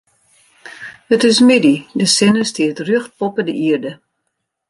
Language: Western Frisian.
It is middei, de sinne stiet rjocht boppe de ierde.